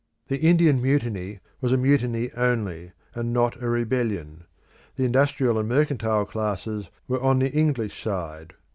The Indian Mutiny was a mutiny only, and not a rebellion; the industrial and mercantile classes were on the English side.